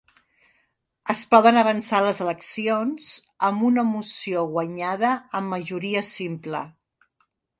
Es poden avançar les eleccions amb una moció guanyada amb majoria simple.